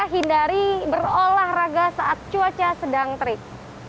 hindari berolahraga saat cuaca sedang terik